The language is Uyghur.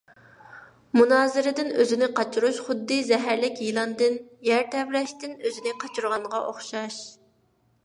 مۇنازىرىدىن ئۆزىنى قاچۇرۇش خۇددى زەھەرلىك يىلاندىن، يەر تەۋرەشتىن ئۆزىنى قاچۇرغانغا ئوخشاش.